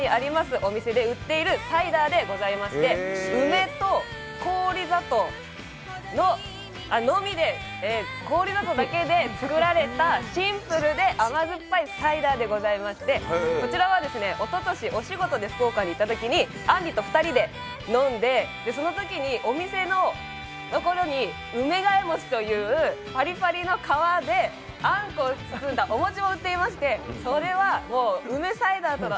お店で売っているサイダーでございまして梅と氷砂糖だけで作られたシンプルで甘酸っぱいサイダーでございまして、こちらはおととし、お仕事で福岡に行ったときにあんりと２人で飲んで、そのときにお店のところに梅ヶ枝餅というパリパリの皮であんこを包んだお餅も売っていまして、それは梅サイダーとの。